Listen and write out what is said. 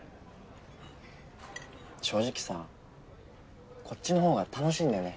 正直さこっちの方が楽しいんだよね。